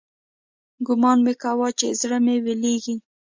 ګومان مې كاوه چې زړه مې ويلېږي.